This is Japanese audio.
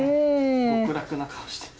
極楽な顔してる。